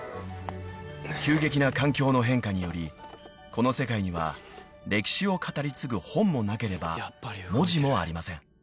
［急激な環境の変化によりこの世界には歴史を語り継ぐ本もなければ文字もありません］